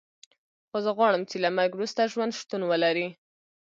خو زه غواړم چې له مرګ وروسته ژوند شتون ولري